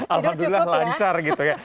alhamdulillah lancar gitu ya